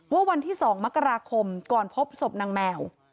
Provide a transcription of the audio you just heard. วันที่๒มกราคมก่อนพบศพนางแมว